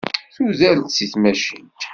Tuder-d seg tmacint.